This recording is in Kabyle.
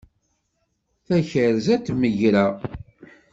Takerza d tmegra.